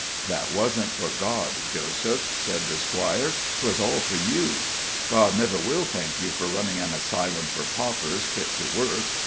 "That wasn't for God, Joseph," said the Squire; "'twas all for you. God never'll thank you for running an asylum for paupers fit to work.